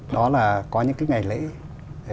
đó là có những cái ngày lễ